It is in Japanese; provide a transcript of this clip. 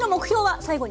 最後に。